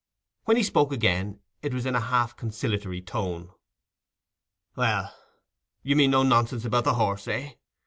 When he spoke again, it was in a half conciliatory tone. "Well, you mean no nonsense about the horse, eh?